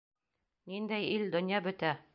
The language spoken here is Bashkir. — Ниндәй ил, донъя бөтә.